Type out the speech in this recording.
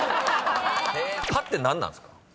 歯って何なんすか？